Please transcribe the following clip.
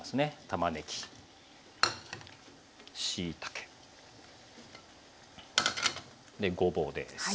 たまねぎしいたけごぼうです。